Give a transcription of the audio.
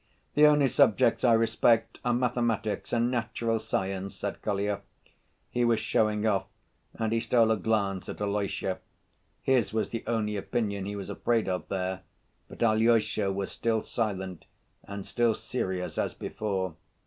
The only subjects I respect are mathematics and natural science," said Kolya. He was showing off and he stole a glance at Alyosha; his was the only opinion he was afraid of there. But Alyosha was still silent and still serious as before.